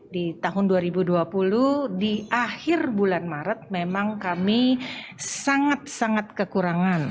di tahun dua ribu dua puluh di akhir bulan maret memang kami sangat sangat kekurangan